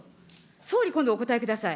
総理、今度お答えください。